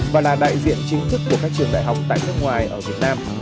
và là đại diện chính thức của các trường đại học tại nước ngoài ở việt nam